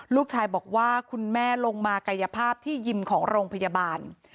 ลูกชายบอกว่าคุณแม่ลงมากายภาพที่ยิมของโรงพยาบาล